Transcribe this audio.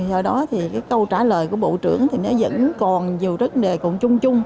do đó thì cái câu trả lời của bộ trưởng thì nó vẫn còn nhiều rất đề cùng chung chung